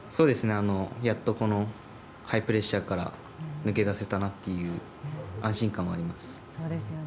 やっと、このハイプレッシャーから抜け出せたなという安心感もあります。